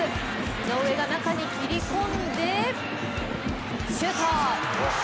井上が中に切り込んでシュート！